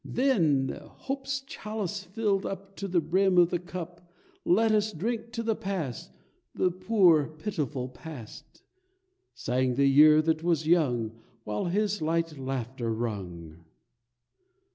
Then hope's chalice filled up To the brim of the cup, Let us drink to the past, The poor pitiful past," Sang the year that was young, While his light laughter rung.